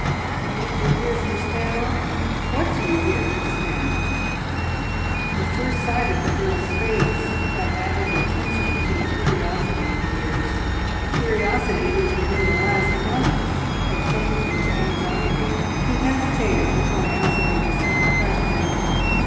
"When did you hear from Stanor? What do you hear from Stanor?" The first sight of the girl's face had added intensity to the curiosity of years a curiosity which within the last months had changed into anxiety. He hesitated before answering the simple question.